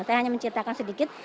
saya hanya menceritakan sedikit